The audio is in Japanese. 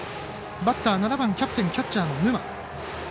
バッター、７番キャプテンのキャッチャー、沼。